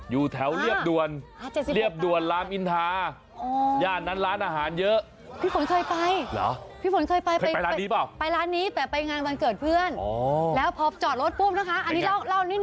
อยู่แถวเรียบด่วนเรียบด่วนลามอินทาย่านนั้นร้านอาหารเยอะ